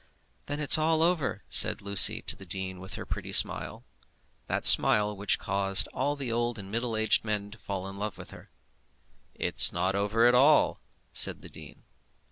"Then it's all over," said Lucy to the dean with her pretty smile, that smile which caused all the old and middle aged men to fall in love with her. "It's not over at all," said the dean.